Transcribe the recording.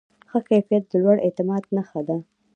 ښه کیفیت د لوړ اعتماد نښه ده.